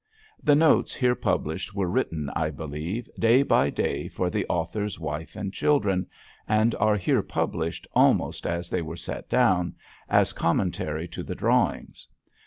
The notes here published were written, I believe, day by day for the author's wife and children, and are here published almost as they were set down, as commentary to the drawings.